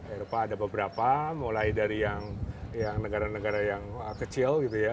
eropa ada beberapa mulai dari yang negara negara yang kecil gitu ya